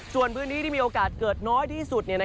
ส่วนพื้นที่ที่มีโอกาสเกิดน้อยที่สุด